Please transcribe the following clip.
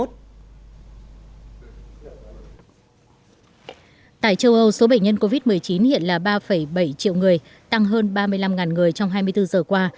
tại châu âu số bệnh nhân covid một mươi chín hiện là ba bảy triệu người tăng hơn ba mươi năm người trong hai mươi bốn giờ qua